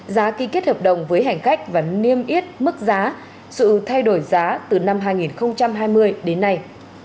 giá ký kết hợp đồng với hành khách và niêm yết mức giá sự thay đổi giá từ năm hai nghìn hai mươi đến nay